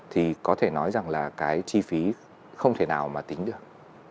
thì có thể nói rằng là cái chi phí không thể nào mà tính được